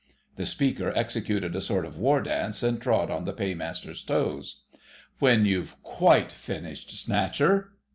The speaker executed a sort of war dance and trod on the Paymaster's toes. "When you've quite finished, Snatcher....